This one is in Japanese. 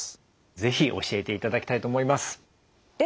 是非教えていただきたいと思います。